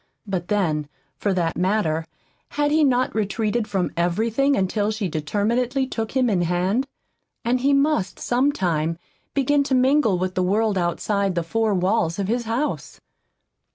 But then, for that matter, had he not retreated from everything until she determinedly took him in hand? And he must some time begin to mingle with the world outside the four walls of his house!